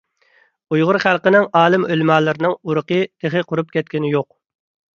ئۇيغۇر خەلقىنىڭ ئالىم - ئۆلىمالىرىنىڭ ئۇرۇقى تېخى قۇرۇپ كەتكىنى يوق.